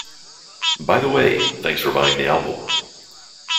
By the way, thanks for buying the album.